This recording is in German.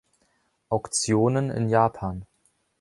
Auktionen in Japan.